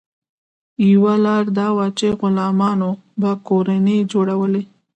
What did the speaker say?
یوه لار دا وه چې غلامانو به کورنۍ جوړولې.